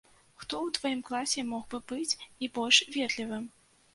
Хто ў тваім класе мог бы быць і больш ветлівым?